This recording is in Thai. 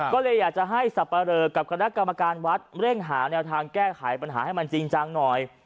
ก็เลยอยากจะให้สับปะเรอกับคณะกรรมการวัดเร่งหาแนวทางแก้ไขปัญหาให้มันจริงจังหน่อย